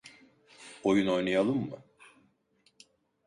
Oyun oynayalım mı?